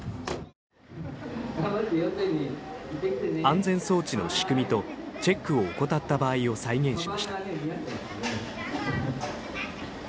安全装置の仕組みとチェックを怠った場合を再現しました。